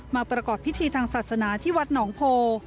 ประกอบพิธีทางศาสนาที่วัดหนองโพ